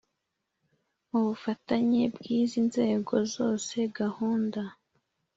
Mu bufatanye bw izi nzego zose gahunda